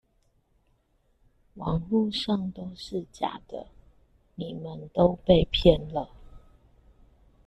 網路上都是假的，你們都被騙了